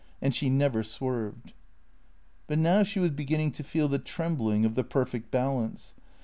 And she never swerved. But now she was beginning to feel the trembling of the per fect balance.